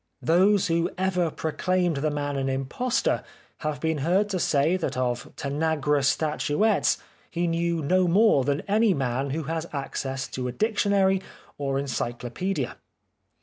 Those who ever proclaimed the man an impostor have been heard say that of Tanagra statuettes he knew no more than any man who has access to dictionary or encyclopaedia.